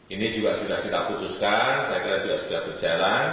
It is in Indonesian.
ini juga sudah kita putuskan saya kira sudah berjalan